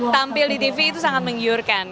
tampil di tv itu sangat menggiurkan